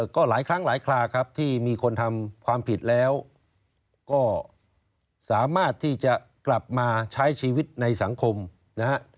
ก็หลายครั้งหลายคราครับที่มีคนทำความผิดแล้วก็สามารถที่จะกลับมาใช้ชีวิตในสังคมนะฮะ